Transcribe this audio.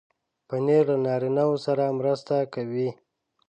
پنېر له نارینو سره مرسته کوي.